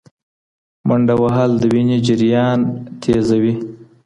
منډه وهل د وینې جریان تېزوي.